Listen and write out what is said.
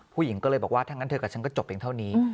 ผู้หญิงก็เลยบอกว่าถ้างั้นเธอกับฉันก็จบเพียงเท่านี้